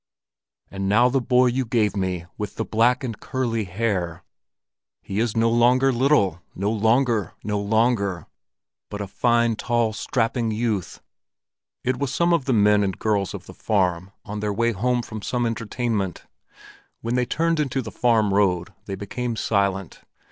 "And now the boy you gave me With the black and curly hair, He is no longer little, No longer, no longer, But a fine, tall strapping youth." It was some of the men and girls of the farm on their way home from some entertainment. When they turned into the farm road they became silent.